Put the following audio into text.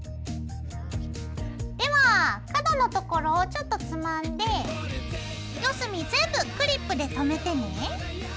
では角のところをちょっとつまんで４隅全部クリップで留めてね。